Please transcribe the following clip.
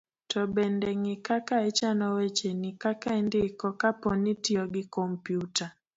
to bende ng'i kaka ichano wecheni, kaka indiko kapo ni itiyo gi kompyuta